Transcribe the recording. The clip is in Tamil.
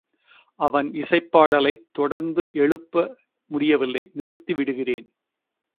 அவன் இசைப்பாடலைத் தொடர்ந்து எழுப்ப முடியவில்லை நிறுத்தி விடுகிறான்.